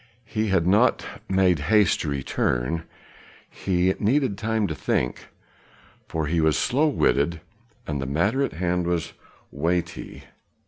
He had not made haste to return; he needed time to think, for he was slow witted, and the matter in hand was weighty.